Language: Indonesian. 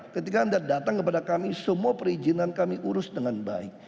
ketika anda datang kepada kami semua perizinan kami urus dengan baik